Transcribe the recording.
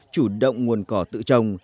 chủ động nguồn cỏ tự trồng